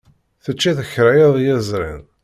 Teččiḍ kra iḍ yezrin?